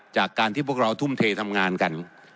จากการที่พวกเราทุ่มเททำงานกัน